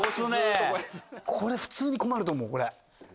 これ普通に困ると思うこれ。